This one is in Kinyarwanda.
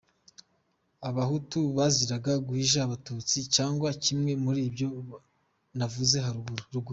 Abahutu baziraga guhisha abatutsi cg kimwe muri ibyo navuze ruguru